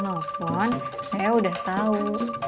saya nelfon saya udah tau